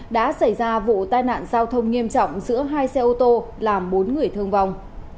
đã xảy ra vụ tai nạn giao thông nghiêm trọng giữa hai xe ô tô làm bốn người thương vong